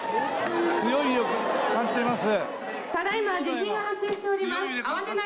強い揺れを感じています。